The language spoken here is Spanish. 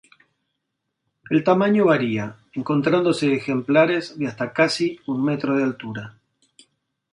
El tamaño varía, encontrándose ejemplares de hasta casi un metro de altura.